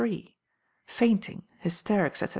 Fainting, Hysterics, &c.